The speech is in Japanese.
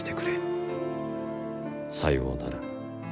さようなら。